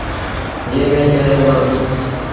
جݩهݩ ميݩ چڙهي وُهڙوس۔